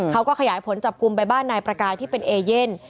ขยายผลจับกลุ่มไปบ้านนายประกายที่เป็นเอเย่น